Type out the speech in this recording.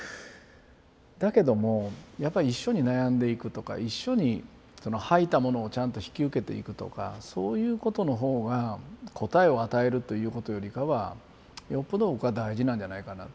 だけどもやっぱり一緒に悩んでいくとか一緒に吐いたものをちゃんと引き受けていくとかそういうことの方が答えを与えるということよりかはよっぽど僕は大事なんじゃないかなと。